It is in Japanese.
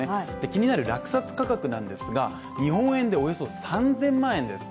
気になる落札価格なんですが日本円でおよそ３０００万円です。